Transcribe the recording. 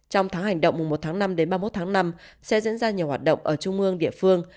trong tháng hành động mùa một tháng năm đến ba mươi một tháng năm sẽ diễn ra nhiều hoạt động ở trung ương địa phương